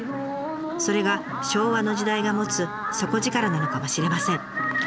それが昭和の時代が持つ底力なのかもしれません。